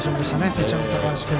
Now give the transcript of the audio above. ピッチャーの高橋君。